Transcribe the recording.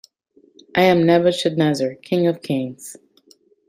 I am Nebuchadnezzar, King of Kings.